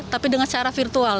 tapi dengan secara virtual